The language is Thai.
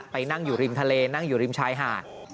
นั่งอยู่ริมทะเลนั่งอยู่ริมชายหาด